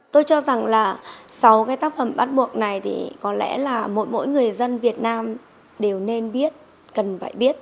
tôi cho rằng là sau cái tác phẩm bắt buộc này thì có lẽ là mỗi người dân việt nam đều nên biết cần phải biết